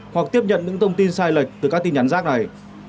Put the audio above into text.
hoặc tiếp nhận những thông tin sai lệch từ các tin nhắn rác này